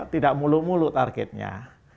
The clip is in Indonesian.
tidak mulu mulu targetnya